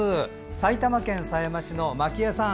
埼玉県狭山市のマキエさん。